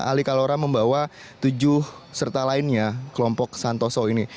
ali kalora membawa tujuh serta lainnya kelompok santoso ini